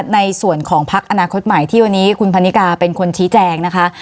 ในส่วนของพักอนาคตใหม่ที่วันนี้คุณพันนิกาเป็นคนชี้แจงนะคะ